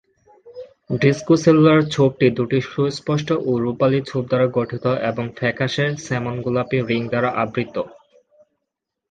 Discocellular ছোপটি দুটি সুস্পষ্ট ও রুপালি ছোপ দ্বারা গঠিত এবং ফ্যাকাশে স্যামন-গোলাপি রিং দ্বারা আবৃত।